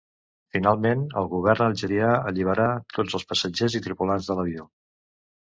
Finalment, el Govern algerià alliberà tots els passatgers i tripulants de l'avió.